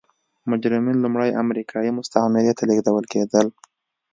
مجرمین لومړی امریکايي مستعمرې ته لېږدول کېدل.